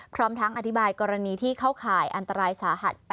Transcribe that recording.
พร้อมทั้งอธิบายกรณีที่เข้าข่ายอันตรายสาหัส